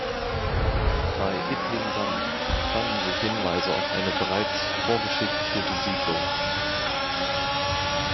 Bei Ittling-Sand fanden sich Hinweise auf eine bereits vorgeschichtliche Besiedelung.